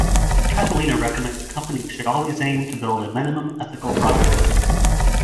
Catelina recommends companies should always aim to build a minimum ethical product.